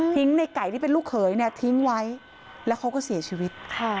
ในไก่ที่เป็นลูกเขยเนี่ยทิ้งไว้แล้วเขาก็เสียชีวิต